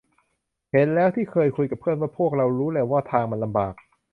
เห็นแล้วที่เคยคุยกับเพื่อนว่า พวกเรารู้แหละว่าทางมันลำบาก